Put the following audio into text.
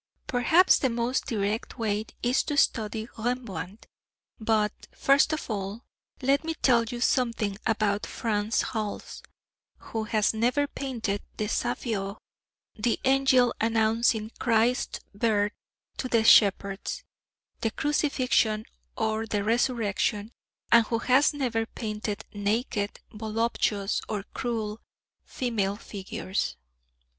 Perhaps the most direct way is to study Rembrandt. But, first of all, let me tell you something about Franz Hals, who has never painted the Saviour, the Angel announcing Christ's birth to the shepherds, the Crucifixion or the Resurrection, and who has never painted naked, voluptuous, or cruel{E} female figures.